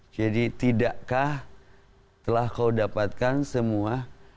jadi tidakkah telah kau dapatkan semua